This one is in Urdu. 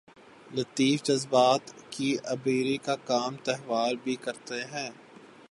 لطیف جذبات کی آبیاری کا کام تہوار بھی کرتے ہیں۔